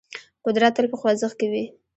قدرت تل په خوځښت کې وي.